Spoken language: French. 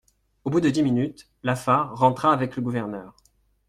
Au bout de dix minutes, Lafare rentra avec le gouverneur.